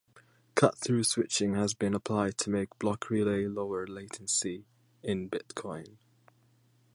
Cut-through switching has been applied to make block-relay lower latency in Bitcoin.